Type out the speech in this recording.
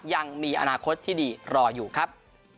ยังมีอนาคตที่ดีรออยู่ครับ